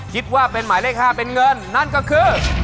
คิดว่าเป็นหมายเลข๕เป็นเงินนั่นก็คือ